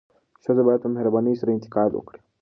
ښځه باید په مهربانۍ سره انتقاد وکړي.